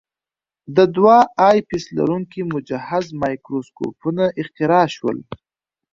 د دوه آی پیس لرونکي مجهز مایکروسکوپونه اختراع شول.